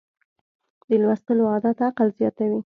د لوستلو عادت عقل زیاتوي.